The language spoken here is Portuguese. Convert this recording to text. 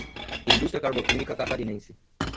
Indústria Carboquímica Catarinense